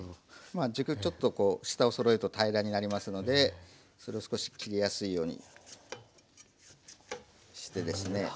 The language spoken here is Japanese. まあ軸ちょっとこう下をそろえると平らになりますのでそれを少し切りやすいようにしてですね。